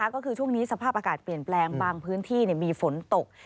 ก็คือช่วงนี้สภาพอากาศเปลี่ยนแปลงบางพื้นที่มีฝนตก